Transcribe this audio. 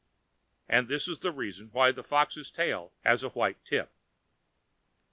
And this is the reason why the Fox's tail has a white tip.